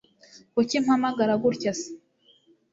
kuki mpagarara gutya se